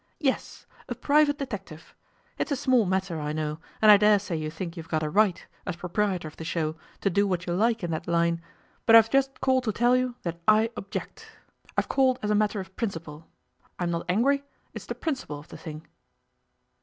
'Yes; a private detective. It's a small matter, I know, and I dare say you think you've got a right, as proprietor of the show, to do what you like in that line; but I've just called to tell you that I object. I've called as a matter of principle. I'm not angry; it's the principle of the thing.